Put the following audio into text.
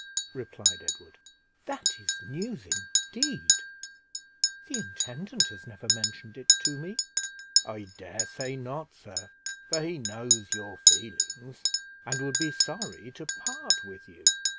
replied Edward, "that is news indeed! The intendant has never mentioned it to me." "I dare say not, sir; for he knows your feelings, and would sorry to part with you."